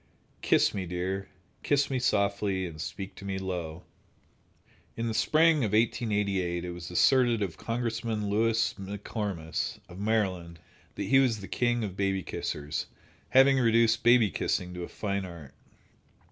Kiss me, dear! Kiss me softly, and speak to me low. In the spring of 1888 it was asserted of Congressman Lewis E. McComas, of Maryland, that he was the king of baby kissers, having reduced baby kissing to a fine art.